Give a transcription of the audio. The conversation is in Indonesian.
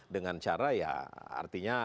dengan cara ya artinya